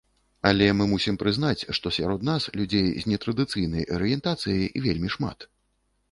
Але мы мусім прызнаць, што сярод нас людзей з нетрадыцыйнай арыентацыяй вельмі шмат.